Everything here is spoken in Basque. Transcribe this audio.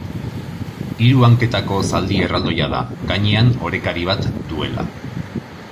Hiru hanketako zaldi erraldoia da, gainean orekari bat duela.